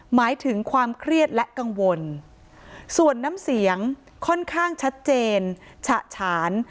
หมายถึงความเครียดและกังวลส่วนน้ำเสียงค่อนข้างชัดเจนฉะฉาน